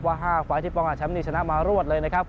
ว่า๕ฟ้ายที่ป้องการแชมป์นี้ชนะมารวดเลยนะครับ